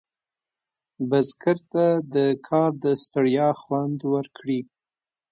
بزګر ته د کار د ستړیا خوند ورکړي